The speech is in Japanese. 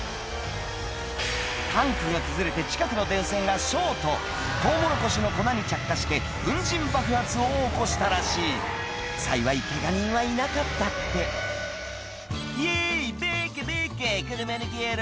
タンクが崩れて近くの電線がショートトウモロコシの粉に着火して粉塵爆発を起こしたらしい幸いケガ人はいなかったって「イエイバカバカこのマヌケ野郎」